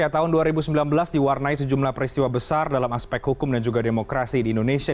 tahun dua ribu sembilan belas diwarnai sejumlah peristiwa besar dalam aspek hukum dan juga demokrasi di indonesia